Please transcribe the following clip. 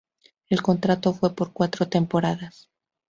El contrato fue por cuatro temporadas.